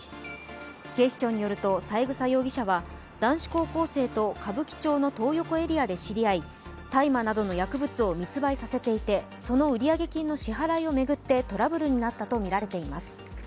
警視庁によると三枝容疑者は男子高校生と歌舞伎町のトー横エリアで知り合い大麻などの薬物を密売させていて、その売上金の支払いを巡ってトラブルになったとみられています。